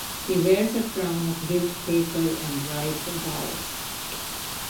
He wears a crown of gilt paper and rides a horse.